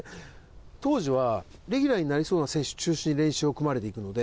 当時はレギュラーになりそうな選手中心に練習が組まれていくので。